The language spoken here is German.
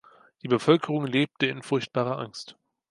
Die Bevölkerung lebte in furchtbarer Angst.